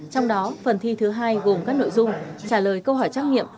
trong đó phần thi thứ hai gồm các nội dung trả lời câu hỏi trắc nghiệm